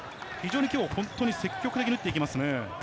今日、本当に積極的に打っていきますね。